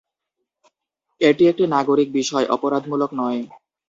এটি একটি নাগরিক বিষয়, অপরাধমূলক নয়।